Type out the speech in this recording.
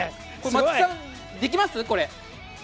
松木さん、できます？